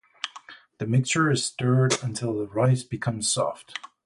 The mixture is stirred until the rice becomes soft.